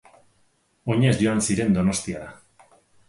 Oinez joan ziren Donostiara.